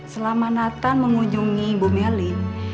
selama nathan mengunjungi ibu melly